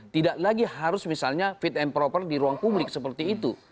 tidak lagi harus misalnya fit and proper di ruang publik seperti itu